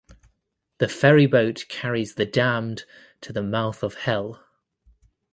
The ferry boat carries the damned to the mouth of hell.